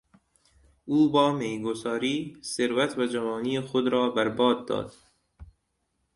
او با میگساری ثروت و جوانی خود را بر باد داد.